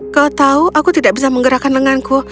kau tahu aku tidak bisa menggerakkan lenganku